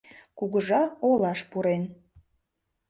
Кугыжа олаш пурен;